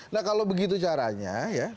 nah kalau begitu caranya